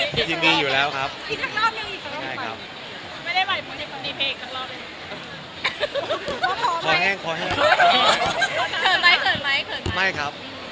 จริงเวลารับงานต้องดูความเต็มงานเหรอคะพี่เดียวละ